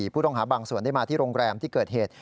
ผู้ต้องหาบางส่วนได้มาที่โรงแรมที่เกิดเหตุ